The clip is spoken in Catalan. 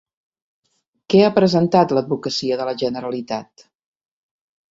Què ha presentat l'advocacia de la Generalitat?